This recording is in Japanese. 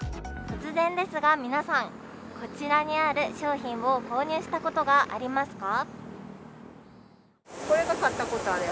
突然ですが皆さん、こちらにある商品を購入したことがありますか？